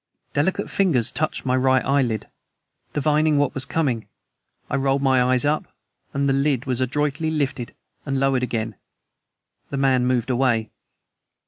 Delicate fingers touched my right eyelid. Divining what was coming, I rolled my eyes up, as the lid was adroitly lifted and lowered again. The man moved away.